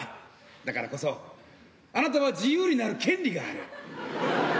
だからこそあなたは自由になる権利がある。